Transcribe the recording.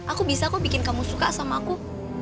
aku bisa kok bikin kamu suka sama aku